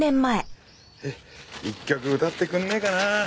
一曲歌ってくんねえかなあ。